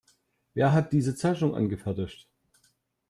Wer hat diese Zeichnung angefertigt?